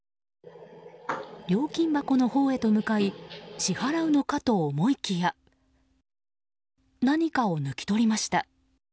料金箱のほうへと向かい支払うのかと思いきや何かを抜き取りました。